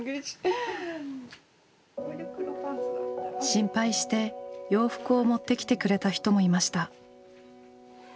心配して洋服を持ってきてくれた人もいました。